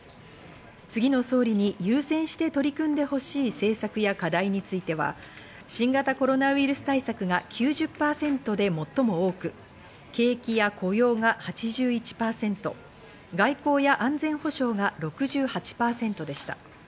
次の総理に優先して取り組んでほしい政策や課題については、新型コロナウイルス対策が９０％で最も多く、景気や雇用が８１％、外交や安全保障が６８％でした。